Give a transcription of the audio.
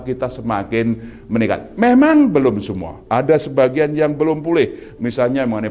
kita semakin meningkat memang belum semua ada sebagian yang belum pulih misalnya mengenai